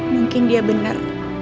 mungkin dia benar